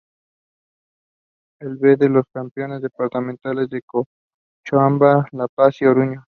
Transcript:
El B por los campeones departamentales de Cochabamba, La Paz y Oruro.